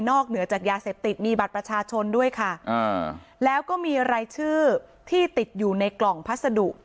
เหนือจากยาเสพติดมีบัตรประชาชนด้วยค่ะอ่าแล้วก็มีรายชื่อที่ติดอยู่ในกล่องพัสดุ